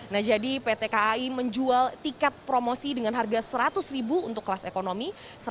nah jadi pt kai menjual tiket promosi dengan harga rp seratus untuk kelas ekonomi